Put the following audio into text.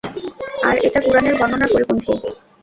আর এটা কুরআনের বর্ণনার পরিপন্থী।